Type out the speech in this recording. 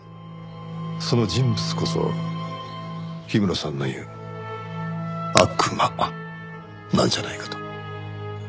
その人物こそ氷室さんの言う「悪魔」なんじゃないかと。